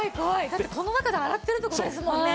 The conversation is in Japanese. だってこの中で洗ってるって事ですもんね。